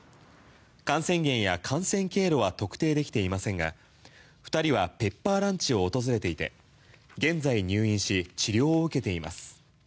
感染源や感染経路は特定できていませんが２人はペッパーランチを訪れていて現在入院し治療を受けています。